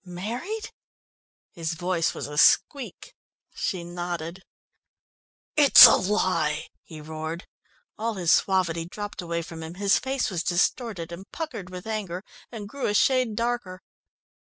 "Married?" His voice was a squeak. She nodded. "It's a lie," he roared. All his suavity dropped away from him, his face was distorted and puckered with anger and grew a shade darker.